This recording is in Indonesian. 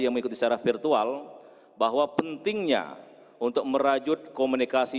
yang mengikuti secara virtual bahwa pentingnya untuk merajut komunikasi